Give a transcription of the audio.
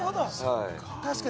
確かに。